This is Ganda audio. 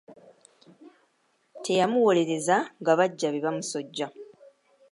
Teyamuwolereza nga baggya be bamusojja.